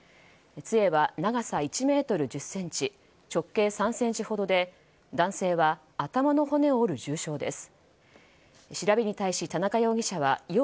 杖は長さ１ｍ１０ｃｍ直径３ｃｍほどで男性は頭の骨を折る重傷です。